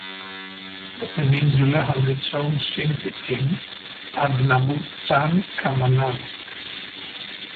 The peninsula has its own shinty team, Ardnamurchan Camanachd.